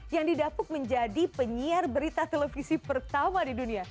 yang didapuk menjadi penyiar berita televisi pertama di dunia